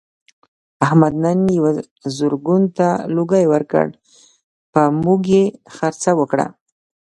احمد نن یوه زرګون ته لوګی ورکړ په موږ یې خرڅه وکړله.